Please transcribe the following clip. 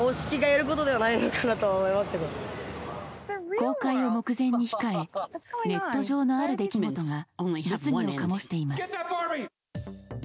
公開を目前に控えネット上のある出来事が物議を醸しています。